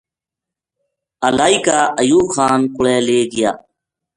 الائی کا ایوب خان کو لے لے گیا